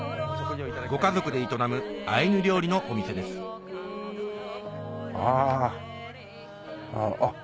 ご家族で営むアイヌ料理のお店ですああっ。